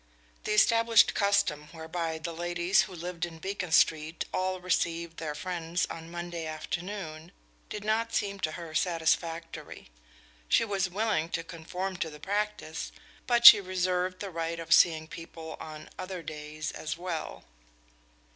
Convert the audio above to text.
The established custom whereby the ladies who live in Beacon Street all receive their friends on Monday afternoon did not seem to her satisfactory. She was willing to conform to the practice, but she reserved the right of seeing people on other days as well.